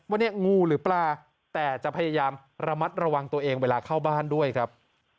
เนี่ยงูหรือปลาแต่จะพยายามระมัดระวังตัวเองเวลาเข้าบ้านด้วยครับ